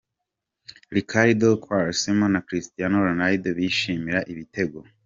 Ricardo Quaresma na Cristiano Ronaldo bishimira igitego.